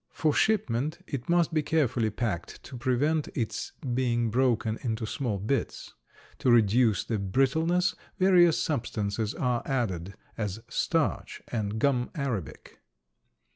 For shipment it must be carefully packed to prevent its being broken into small bits. To reduce the brittleness various substances are added as starch and gum arabic.